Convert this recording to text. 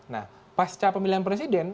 nah pasca pemilihan presiden